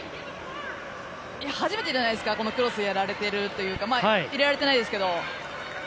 初めてじゃないですかクロスやられているというか入れられてないですけど。